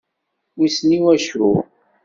Wissen i waccu?